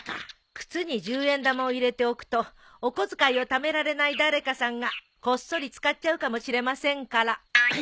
靴に十円玉を入れておくとお小遣いをためられない誰かさんがこっそり使っちゃうかもしれませんから。